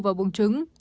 và bùng trứng